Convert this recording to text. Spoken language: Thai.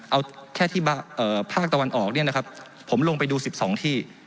เอาแค่ที่ภาคตะวันออกเนี่ยนะครับผมลงไปดู๑๒ที่